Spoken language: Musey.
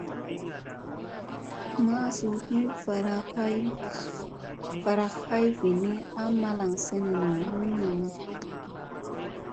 Masu hin varak ay vini a malaŋ senena ni namu.